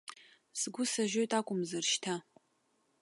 Сгәы сажьоит акәымзар, шьҭа.